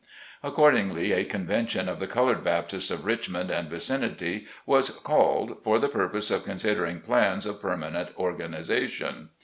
Accordingly, a convention of the colored Baptists of Richmond and vicinity, was called, for the pur pose of considering plans of permanent organization.